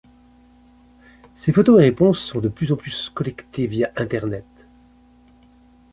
Ces photos et réponses sont de plus en plus collectées via internet.